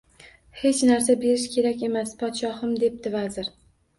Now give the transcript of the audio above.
Hech narsa berish kerak emas, podshohim, debdi vazir